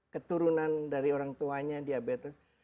keturunan dari orang tuanya diabetes